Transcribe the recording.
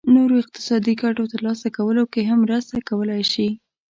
نورو اقتصادي ګټو ترلاسه کولو کې هم مرسته کولای شي.